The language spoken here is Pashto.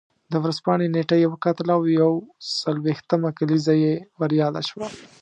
د ورځپاڼې نېټه یې وکتله او یو څلوېښتمه کلیزه یې ور یاده شوه.